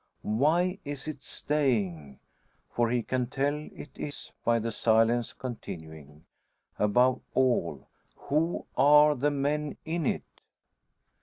Why is it staying? For he can tell it is by the silence continuing. Above all, who are the men in it?